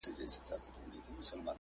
o لږ به خورم هوسا به اوسم!